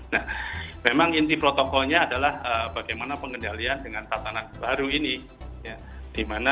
nah memang inti protokolnya adalah bagaimana pengendalian dengan tatanan baru ini